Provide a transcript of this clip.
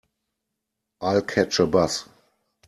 I'll catch a bus.